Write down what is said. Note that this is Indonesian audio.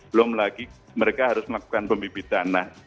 belum lagi mereka harus melakukan pembibitan